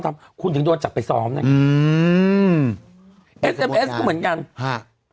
ทำคุณถึงโดนจับไปซ้อมนะอืมเอสเอ็มเอสก็เหมือนกันฮะ